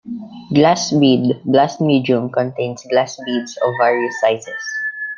Glass bead blast medium contains glass beads of various sizes.